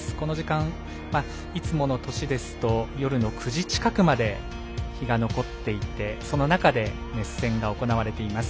この時間、いつもの年ですと夜の９時近くまで日が残っていて、その中で熱戦が行われています。